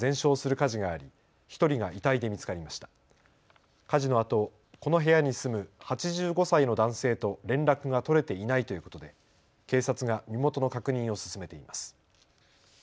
火事のあと、この部屋に住む８５歳の男性と連絡が取れていないということで警察が身元の確認を進めています。